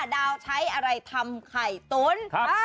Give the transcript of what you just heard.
เราจะใช้อะไรทำไข่ตน